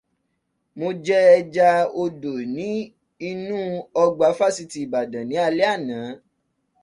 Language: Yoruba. Mo jẹ ẹja odò ní inú ọgbà Fáṣítì Ìbàdàn ní alẹ́ àná.